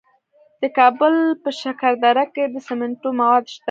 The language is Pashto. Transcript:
د کابل په شکردره کې د سمنټو مواد شته.